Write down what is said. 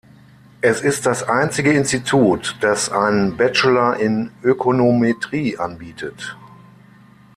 Es ist das einzige Institut, das einen Bachelor in Ökonometrie anbietet.